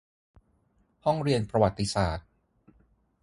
ห้องเรียนประวัติศาสตร์